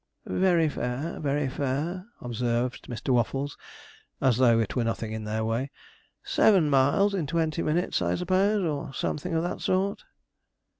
'Very fair very fair,' observed Mr. Waffles, as though it were nothing in their way; 'seven miles in twenty minutes, I suppose, or something of that sort.'